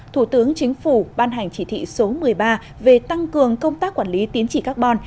thủ tướng chính phủ ban hành chỉ thị số một mươi ba về tăng cường công tác quản lý tiến trị carbon